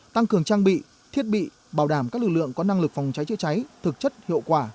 tăng cường trang bị thiết bị bảo đảm các lực lượng có năng lực phòng cháy chữa cháy thực chất hiệu quả